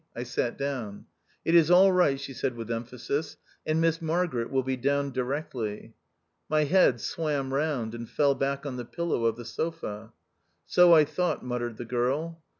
I sat down. " It is all right," she said with emphasis, " and Miss Margaret will be down directly." My head swam round and fell back on the pillow of the sofa. " So I thought," muttered the girl.